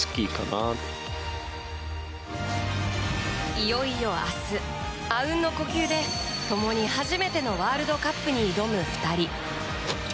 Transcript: いよいよ明日あうんの呼吸で共に初めてのワールドカップに挑む２人。